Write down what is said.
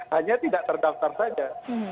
hanya tidak terdaftar saja